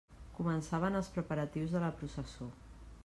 Començaven els preparatius de la processó.